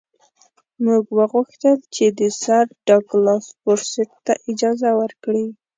موږ وغوښتل چې سر ډاګلاس فورسیت ته اجازه ورکړي.